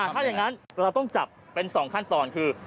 ถ้าอย่างนั้นเราต้องจับเป็น๒ขั้นตอนคือ